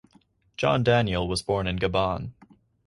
John Daniel was born in Gabon.